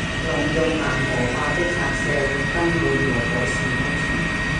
農用攔河壩的拆卸、更換和改善工程